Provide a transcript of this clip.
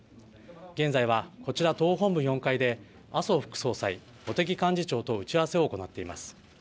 現在はこちら党本部４階で麻生副総裁、茂木幹事長と打ち合わせを行っています。